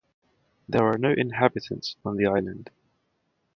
There are no inhabitants on the island.